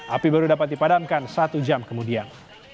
api baru dapat dipadamkan satu jam kemudian